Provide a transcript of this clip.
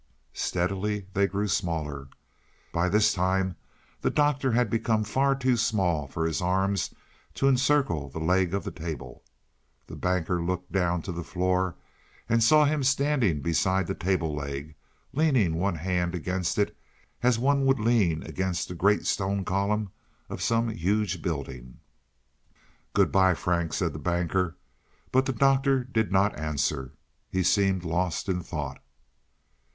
Steadily they grew smaller. By this time the Doctor had become far too small for his arms to encircle the leg of the table. The Banker looked down to the floor, and saw him standing beside the table leg, leaning one hand against it as one would lean against the great stone column of some huge building. "Good by, Frank," said the Banker. But the Doctor did not answer; he seemed lost in thought.